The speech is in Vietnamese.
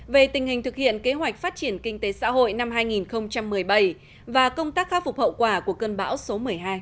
về tình hình thực hiện kế hoạch phát triển kinh tế xã hội năm hai nghìn một mươi bảy và công tác khắc phục hậu quả của cơn bão số một mươi hai